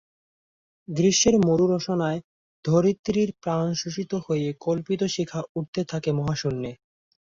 গ্রীষ্মের মরু রসনায় ধরিত্রীর প্রাণ শোষিত হয়ে কল্পিত শিখা উঠতে থাকে মহাশুণ্যে।